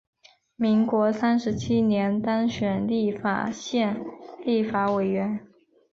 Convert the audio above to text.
民国三十七年当选立法院立法委员。